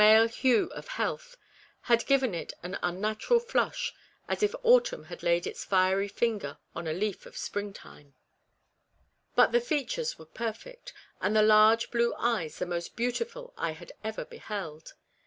211 meil hue of health," had given it an unnatural flush, as if autumn had laid its fiery finger on a leaf of springtime ; but the features were perfect, and the large blue eyes the most beautiful I had ever beheld.